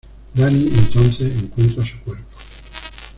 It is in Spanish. Danny entonces encuentra su cuerpo.